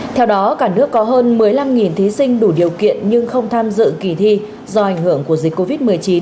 theo đó cả nước có hơn một mươi năm thí sinh đủ điều kiện nhưng không tham dự kỳ thi do ảnh hưởng của dịch covid một mươi chín